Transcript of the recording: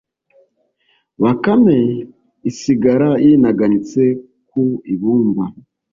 bakame isigara yinaganitse ku ibumba.